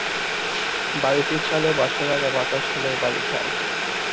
বাড়িটির চালে বাঁশের আগা বাতাস হলেই বাড়ি খায়।